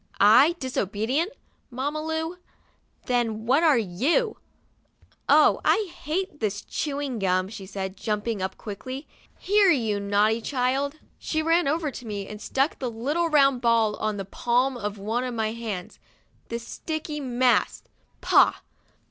I disobedient, Mam ma Lu ? Th en w hat are you "Oh, I hate this chew ing gum !" she said, jump ing up quickly; " here, you aughty child !* She ran over to 63 THE DIARY OF A BIRTHDAY DOLL me, and stuck the little round ball on the palm of one of my hands. The sticky mass — Pah